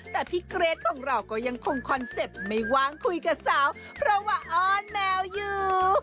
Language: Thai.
แต่พี่เกรทของเราก็ยังคงคอนเซ็ปต์ไม่ว่างคุยกับสาวเพราะว่าอ้อนแมวอยู่